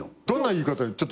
どんな言い方で。